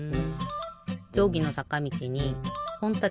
じょうぎのさかみちにほんたてとけしごむ。